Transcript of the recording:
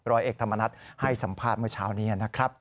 ร้อยเอกธรรมนัฐให้สัมภาษณ์เมื่อเช้านี้นะครับ